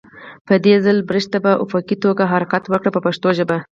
په دې ځل برش ته په افقي توګه حرکت ورکړئ په پښتو ژبه.